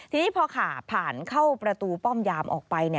ทีนี้พอขาผ่านเข้าประตูป้อมยามออกไป